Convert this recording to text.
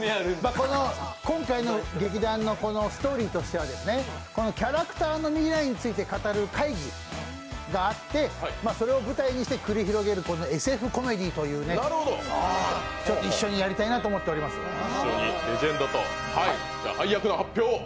今回の劇団のストーリーとしては、キャラクターの未来について語る会議があって、それを舞台にして繰り広げるＳＦコメディーを一緒にやりたいなと思っておりますので。